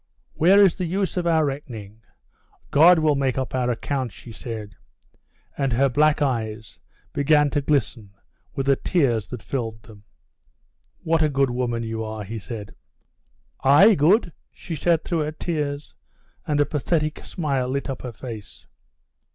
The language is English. "Where is the use of our reckoning? God will make up our accounts," she said, and her black eyes began to glisten with the tears that filled them. "What a good woman you are," he said. "I good?" she said through her tears, and a pathetic smile lit up her face.